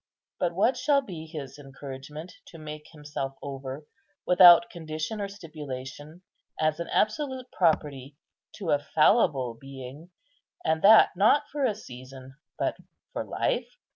But what shall be his encouragement to make himself over, without condition or stipulation, as an absolute property, to a fallible being, and that not for a season, but for life?